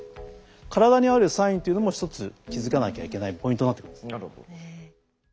体にあるサインというのも一つ気付かなきゃいけないポイントになってくるんですね。